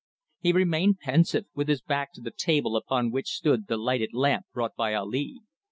He remained pensive, with his back to the table upon which stood the lighted lamp brought by Ali.